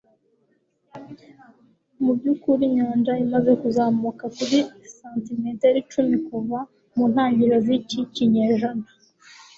Mubyukuri inyanja imaze kuzamuka kuri santimetero icumi kuva mu ntangiriro ziki kinyejana